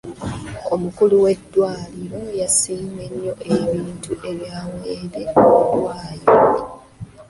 Omukulu w'eddwaliro yasiimye nnyo ebintu ebyaweereddwayo.